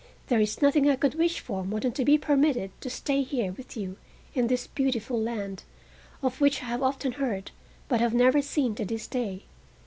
There is nothing I could wish for more than to be permitted to stay here with you in this beautiful land, of which I have often heard, but have never seen to this day.